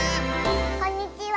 こんにちは。